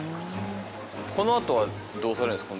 このあとはどうされるんですか？